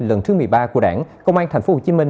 lần thứ một mươi ba của đảng công an tphcm